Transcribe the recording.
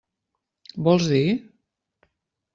Vols dir?